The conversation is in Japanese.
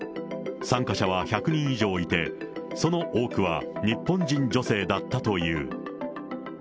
参加者は１００人以上いて、その多くは日本人女性だったという。